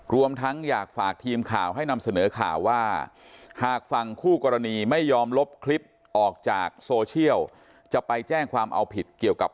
รวมทั้งอยากฝากทีมข่าวให้นำเสนอข่าวว่าหากฝั่งคู่กรณีไม่ยอมลบคลิปออกจากโซเชียลจะไปแจ้งความเอาผิดเกี่ยวกับ